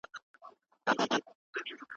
حال دا چې په اصل کې ستونزه ژبه نه ده؛